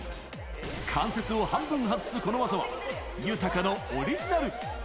関節を半分外すこの技は、Ｙｕｔａｋａのオリジナル。